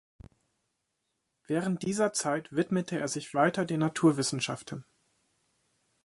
Während dieser Zeit widmete er sich weiter den Naturwissenschaften.